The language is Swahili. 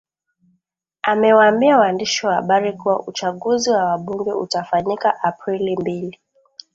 amewaambia waandishi wa habari kuwa uchaguzi wa wabunge utafanyika aprili mbili